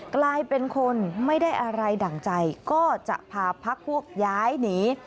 กลายเป็นคนไม่ได้อะไรดั่งใจก็จะพาพักพวกย้ายหนี